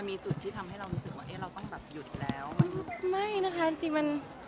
ไม่น่ะค่ะ